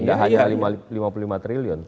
tidak hanya lima puluh lima triliun